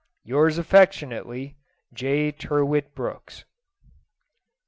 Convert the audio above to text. Yours affectionately, J. TYRWHITT BROOKS.